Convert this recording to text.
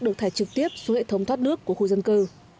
được thải trực tiếp xuống hệ thống thoát nước của khu dân cư